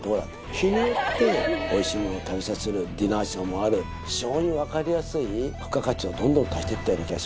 日によって、おいしいものを食べさせる、ディナーショーもある、非常に分かりやすい付加価値をどんどん足していったような気がし